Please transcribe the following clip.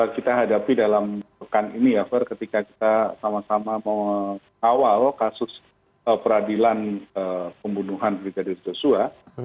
kita hadapi dalam pekan ini ya ver ketika kita sama sama mengawal kasus peradilan pembunuhan brigadir joshua